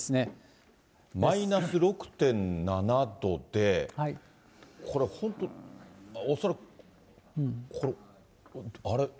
マイナス６．７度で、これ本当、恐らくこれ、あれ？